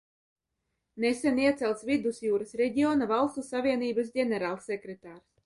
Nesen iecelts Vidusjūras reģiona valstu savienības ģenerālsekretārs.